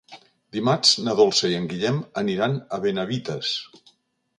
Dimarts na Dolça i en Guillem aniran a Benavites.